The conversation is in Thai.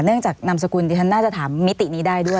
นานามสกุลดิฉันน่าจะถามมิตินี้ได้ด้วย